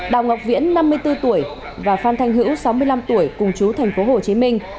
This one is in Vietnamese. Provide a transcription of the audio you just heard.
đào ngọc viễn năm mươi bốn tuổi và phan thanh hữu sáu mươi năm tuổi cùng chú thành phố hồ chí minh